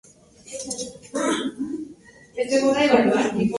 Con el fin de evangelizar a los huarpes algunos sacerdotes aprendieron su lengua.